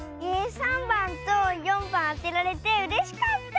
３ばんと４ばんあてられてうれしかった！